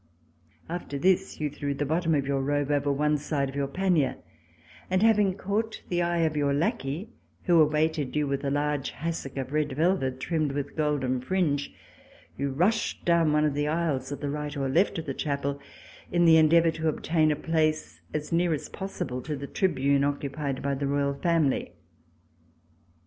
After this you threw the bottom of your robe over one side of your pannier, and having caught the eye of your lackey who awaited you with a large hassock of red velvet trimmed with a golden fringe, you rushed down one of the aisles at the right or left of the chapel in the en deavor to obtain a place as near as possible to the tribune occupied by the Royal family.